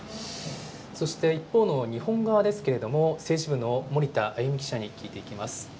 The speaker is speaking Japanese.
そして、一方の日本側ですけれども、政治部の森田あゆ美記者に聞いていきます。